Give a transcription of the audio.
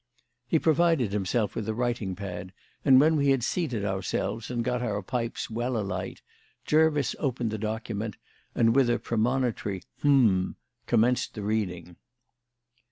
He provided himself with a writing pad, and, when we had seated ourselves and got our pipes well alight, Jervis opened the document, and with a premonitory "hem!" commenced the reading.